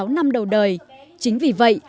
sáu năm đầu đời chính vì vậy